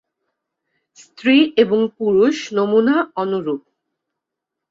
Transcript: স্ত্রী এবং পুরুষ নমুনা অনুরূপ।